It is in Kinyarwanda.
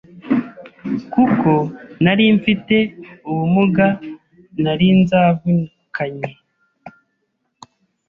kuko narimfite ubumuga nari nzravukanye